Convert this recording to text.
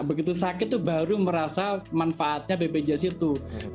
begitu sakit itu baru merasa manfaatnya bpjs itu